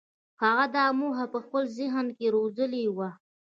هغه دا موخه په خپل ذهن کې روزلې وه.